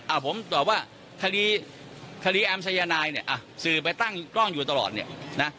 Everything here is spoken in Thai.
ผมตอบว่าคดีคดีแอมสายนายเนี่ยอ่ะสื่อไปตั้งกล้องอยู่ตลอดเนี่ยนะ